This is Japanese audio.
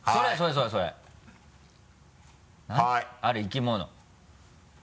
ある生き物。